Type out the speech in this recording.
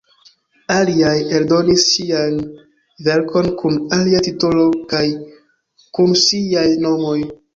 Aliaj eldonis ŝian verkon kun alia titolo kaj kun siaj nomoj.